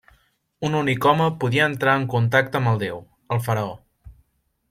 Un únic home podia entrar en contacte amb el déu, el faraó.